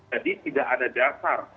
jadi tidak ada dasar